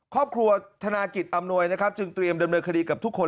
ครอบครัวธนากิจอำนวยนะครับจึงเตรียมดำเนินคดีกับทุกคน